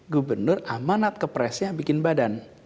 gubernur amanat ke presnya bikin badan